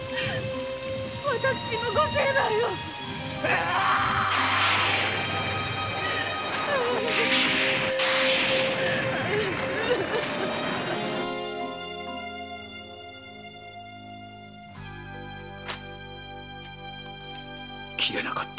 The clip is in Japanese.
私もご成敗を斬れなかった。